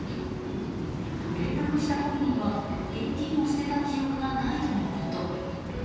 連絡した本人は現金を捨てた記憶がないとのこと。